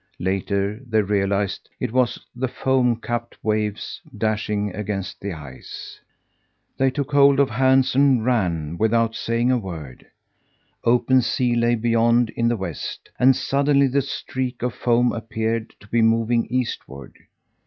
Later they realized it was the foam capped waves dashing against the ice! They took hold of hands and ran without saying a word. Open sea lay beyond in the west, and suddenly the streak of foam appeared to be moving eastward.